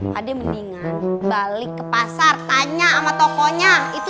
tadi mendingan balik ke pasar tanya sama tokonya itu